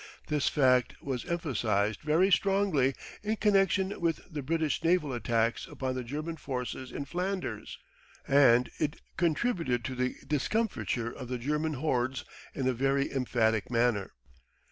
This fact was emphasised very strongly in connection with the British naval attacks upon the German forces in Flanders, and it contributed to the discomfiture of the German hordes in a very emphatic manner.